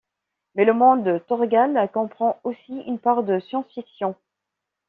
Mais le monde de Thorgal comprend aussi une part de science-fiction.